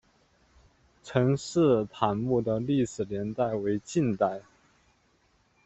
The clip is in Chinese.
陈式坦墓的历史年代为近代。